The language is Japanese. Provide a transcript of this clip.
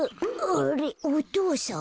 あれっお父さん。